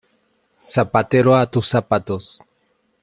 Zapatero a tus zapatos.